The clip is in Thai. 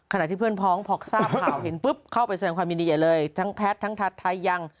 ขณะที่เพื่อนพ้องพอทราบข่าวเห็นปุ๊บเข้าไปแสดงความยินดีใหญ่เลยทั้งแพทย์ทั้งทัดไทยยัง